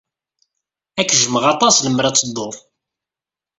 Ad k-jjmeɣ aṭas lemmer ad tedduḍ.